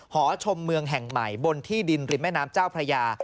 หอชมเมืองแห่งใหม่บนที่ดินริมแม่น้ำเจ้าพระยา